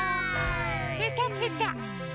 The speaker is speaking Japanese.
ぺたぺた。